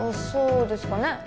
そうですかね